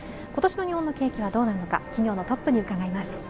今年の日本の景気はどうなるのか企業のトップに伺います。